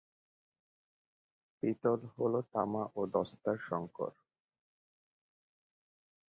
পিতল হল তামা ও দস্তার সংকর।